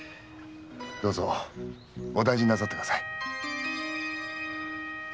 どうぞお大事になさってください。